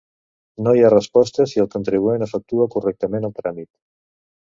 No hi ha resposta si el contribuent efectua correctament el tràmit.